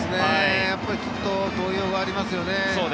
ちょっと動揺がありますよね。